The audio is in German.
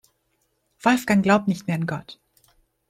Wolfgang glaubt nicht mehr an Gott.